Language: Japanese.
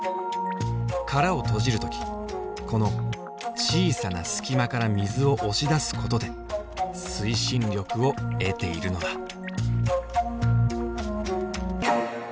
殻を閉じる時この小さな隙間から水を押し出すことで推進力を得ているのだ。